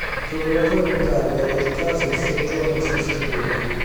Il Procuratore incarica del caso il suo giovane sostituto.